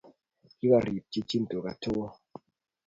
Ki kirep chichiin tuuga tugul.